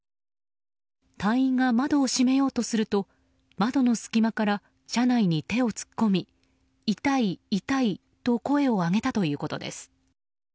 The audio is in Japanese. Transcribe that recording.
隊員が窓を閉めようとすると窓の隙間から車内に手を突っ込み痛い痛いと声を上げたということです。